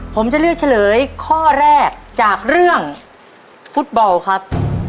ผมจะเลือกเฉลยข้อแรกจากเรื่องฟุตบอลครับ